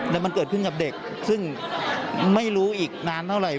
แล้วมันเกิดขึ้นกับเด็กซึ่งไม่รู้อีกนานเท่าไหร่